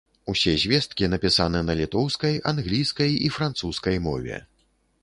Усе звесткі напісаны на літоўскай, англійскай, і французскай мове.